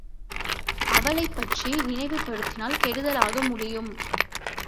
அவளைப் பற்றி நினைவுபடுத்தினால் கெடுதலாக முடியும்.